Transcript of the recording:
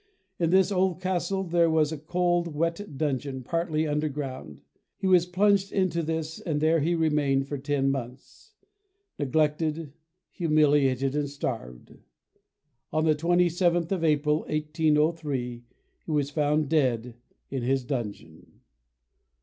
In this old castle there was a cold, wet dungeon partly under ground. He was plunged into this and there he remained for ten months, neglected, humiliated and starved. On the 27th of April, 1803, he was found dead in his dungeon.